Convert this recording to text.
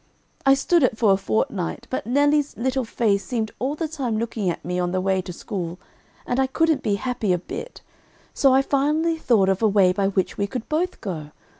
"I stood it for a fortnight, but Nelly's little face seemed all the time looking at me on the way to school, and I couldn't be happy a bit, so I finally thought of a way by which we could both go.